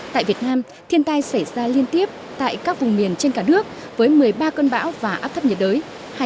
tại việt nam thiên tai xảy ra liên tiếp tại các vùng miền trên cả nước với một mươi ba cơn bão và áp thấp nhiệt đới